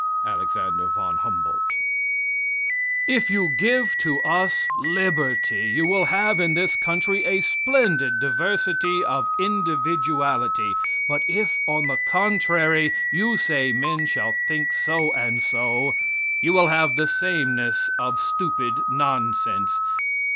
Alex. von Humboldt] If you give to us liberty, you will have in this country a splendid diversity of individuality; but if on the contrary you say men shall think so and so, you will have the sameness of stupid nonsense.